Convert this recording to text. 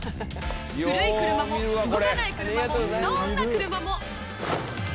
古い車も動かない車もどーんな車も買うわ！